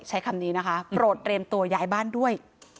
ใช้คำนี้นะคะโปรดเรียมตัวย้ายบ้านด้วย